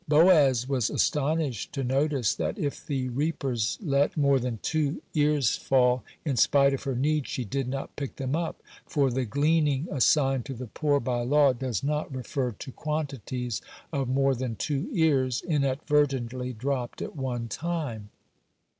Boaz was astonished to notice that if the reapers let more than two ears fall, in spite of her need she did not pick them up, for the gleaning assigned to the poor by law does not refer to quantities of more than two ears inadvertently dropped at one time.